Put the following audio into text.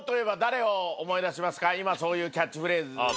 今そういうキャッチフレーズ。